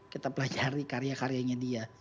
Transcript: kita pelajari karya karyanya dia